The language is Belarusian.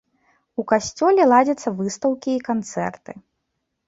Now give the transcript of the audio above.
У касцёле ладзяцца выстаўкі і канцэрты.